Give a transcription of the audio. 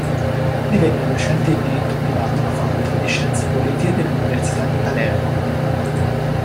Diviene docente di diritto privato alla facoltà di Scienze politiche dell'Università di Palermo.